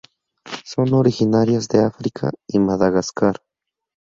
Son originarias de África y Madagascar.